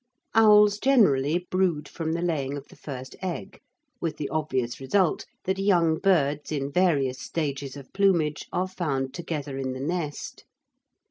Owls generally brood from the laying of the first egg, with the obvious result that young birds in various stages of plumage are found together in the nest.